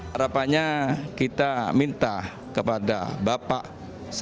harapannya kita minta kepada bapak sandiaga